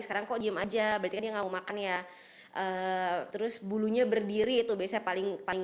sekarang kok diem aja berarti ngomong makanya terus bulunya berdiri itu bisa paling paling